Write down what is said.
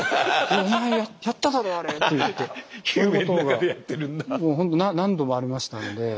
「お前やっただろあれ！」って言っていうことが何度もありましたんで。